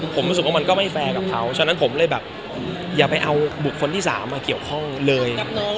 ผมรู้สึกว่ามันก็ไม่แฟร์กับเขาฉะนั้นผมเลยแบบอย่าไปเอาบุคคลที่๓มาเกี่ยวข้องเลย